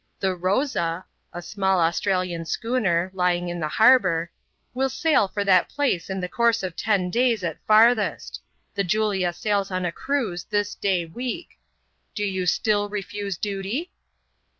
The Rosa (a small Australian schooner, lying in the harbour) will sail for that place in the course often days, at farthest. The Julia sails on a cruise this day week. Do you still refuse duty